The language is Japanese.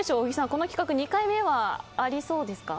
この企画２回目はありそうですか？